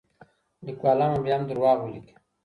لیکوالان به بیا هم دروغ ولیکي.